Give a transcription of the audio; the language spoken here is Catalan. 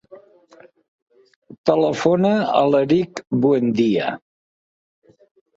Telefona a l'Erik Buendia.